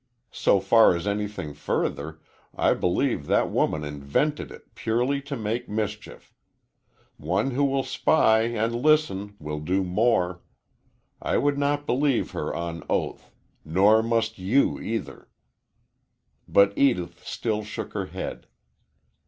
So far as anything further, I believe that woman invented it purely to make mischief. One who will spy and listen will do more. I would not believe her on oath nor must you, either." But Edith still shook her head.